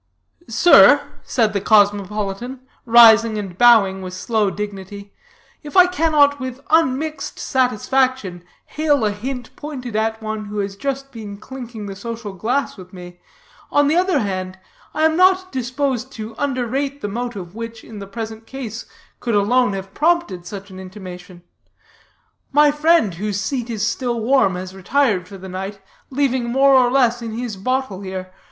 "Sir," said the cosmopolitan, rising and bowing with slow dignity, "if I cannot with unmixed satisfaction hail a hint pointed at one who has just been clinking the social glass with me, on the other hand, I am not disposed to underrate the motive which, in the present case, could alone have prompted such an intimation. My friend, whose seat is still warm, has retired for the night, leaving more or less in his bottle here.